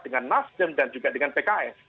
dengan nasdem dan juga dengan pks